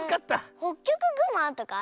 ホッキョクグマとかあるよね。